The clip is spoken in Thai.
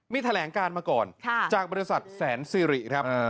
มีแถลงการมาก่อนจากบริษัทแสนศรี